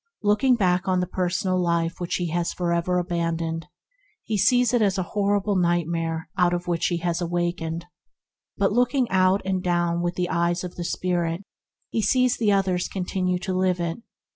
Looking back on the personal life he has for ever abandoned, he sees it as a nightmare from which he has awakened; but looking out and down with the AT REST IN THE KINGDOM 69 eyes of the spirit, he sees that others continue to live it.